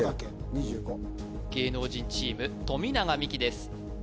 芸能人チーム富永美樹です